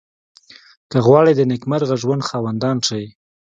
که غواړئ د نېکمرغه ژوند خاوند شئ.